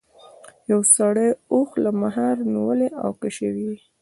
یو سړي اوښ له مهار نیولی او کشوي یې.